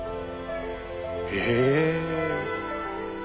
へえ。